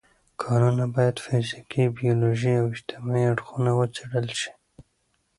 کانونه باید فزیکي، بیولوژیکي او اجتماعي اړخونه وڅېړل شي.